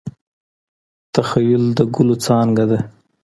تخیل د ګلو څانګه ده.